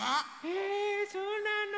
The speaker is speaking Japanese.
へぇそうなの。